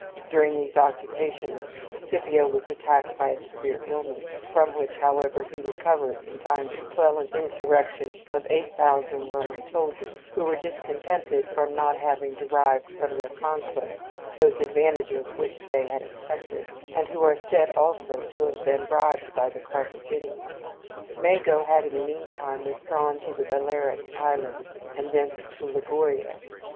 During these occupations Scipio was attacked by a severe illness, from which, however, he recovered in time to quell an insurrection of 8,000 Roman soldiers, who were discontented from not having derived from their conquests those advantages which they had expected, and who are said also to have been bribed by the Carthaginians. Mago had in the meantime withdrawn to the Balearic Islands, and thence to Liguria.